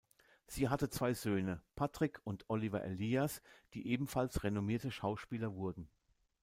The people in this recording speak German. Sie hatten zwei Söhne, Patrick und Oliver Elias, die ebenfalls renommierte Schauspieler wurden.